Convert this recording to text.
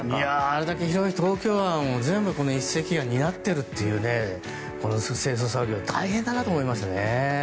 あれだけ広い東京湾を全部、この１隻が担っているという清掃作業大変だなと思いましたね。